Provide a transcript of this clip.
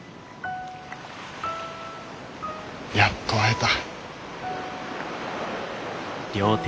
やっと会えた。